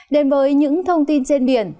đến với những thông tin trên biển